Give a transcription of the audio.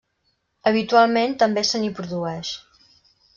Habitualment també se n'hi produeix.